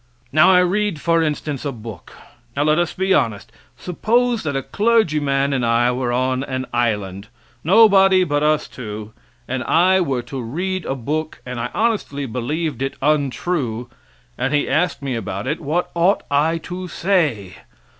Now, I read, for instance, a book. Now, let us be honest. Suppose that a clergyman and I were on an island nobody but us two and I were to read a book, and I honestly believed it untrue, and he asked me about it what ought I to say?